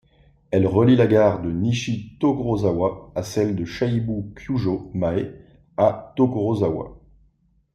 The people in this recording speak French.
Elle relie la gare de Nishi-Tokorozawa à celle de Seibu-Kyūjō-mae à Tokorozawa.